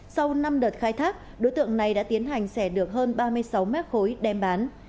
sau năm đợt khai thác đối tượng này đã tiến hành xẻ được hơn ba mươi sáu mét khối đem bán